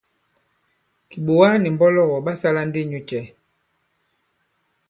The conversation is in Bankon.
Kìɓòga nì mbɔlɔgɔ̀ ɓa sālā ndi inyū cɛ̄ ?